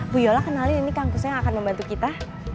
bu yola kenalin ini kangkusnya yang akan membantu kita